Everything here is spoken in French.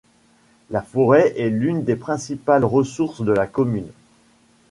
La forêt est l'une des principales ressources de la commune.